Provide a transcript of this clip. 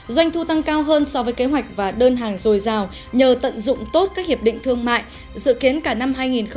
doanh thu tăng cao hơn so với kế hoạch và đơn hàng dồi dào nhờ tận dụng tốt các hiệp định thương mại dự kiến cả năm hai nghìn hai mươi